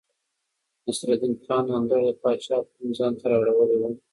نصرالدين خان اندړ د پاچا پام ځانته رااړولی و.